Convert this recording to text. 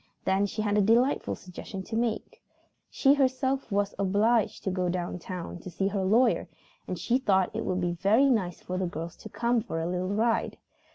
Then she had a delightful suggestion to make. She herself was obliged to go down town to see her lawyer and she thought it would be very nice for the girls to come for a little ride.